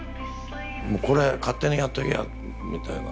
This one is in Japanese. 「これ勝手にやっとけよ」みたいな。